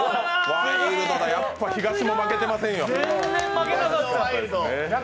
ワイルドだ、やっぱ東も負けてませんよ。